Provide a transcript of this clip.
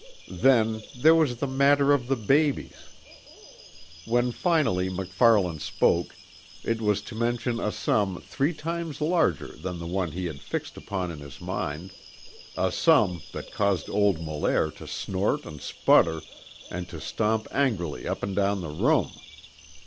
Then, there was the matter of the babies When finally MacFarlane spoke it was to mention a sum three times larger than the one that he had fixed upon in his mind a sum that caused old Molaire to snort and sputter and to stamp angrily up and down the room.